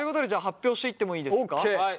発表していってもいいですか？